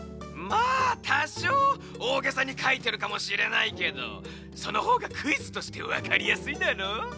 まあたしょうおおげさにかいてるかもしれないけどそのほうがクイズとしてわかりやすいだろ？